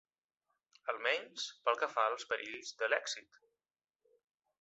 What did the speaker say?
Almenys pel que fa als perills de l'èxit.